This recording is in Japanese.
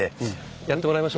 やってもらいましょう。